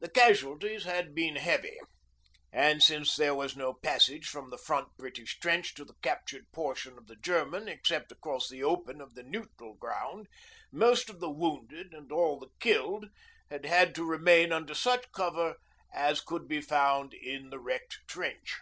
The casualties had been heavy, and since there was no passage from the front British trench to the captured portion of the German except across the open of the 'neutral' ground, most of the wounded and all the killed had had to remain under such cover as could be found in the wrecked trench.